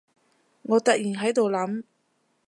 我突然喺度諗